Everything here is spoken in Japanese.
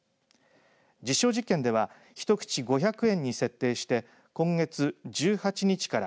実証実験では一口５００円に設定して今月１８日から